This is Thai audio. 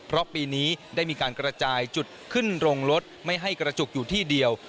เพราะปีนี้ได้มีการกระจายจุดขึ้นโรงรถไม่ให้กระจุกอยู่ที่เดียว